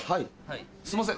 すいません